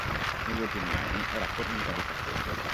Negli ultimi anni era fornita di parcheggio.